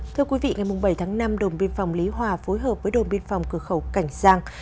thưa quý vị ngày bảy tháng năm đồn biên phòng lý hòa phối hợp với đồn biên phòng cửa khẩu cảnh giang